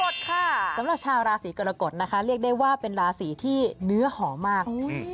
สำหรับชาวราศีกรกฎนะคะเรียกได้ว่าเป็นราศีที่เนื้อหอมมาก